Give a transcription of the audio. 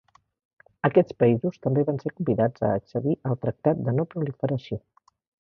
Aquests països també van ser convidats a accedir al tractat de no proliferació.